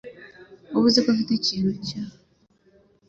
Wavuze ko ufite ikintu cya